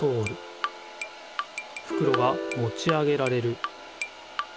ふくろがもち上げられる。